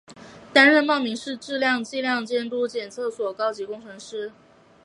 担任茂名市质量计量监督检测所高级工程师。